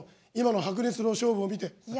今の白熱の勝負を見て。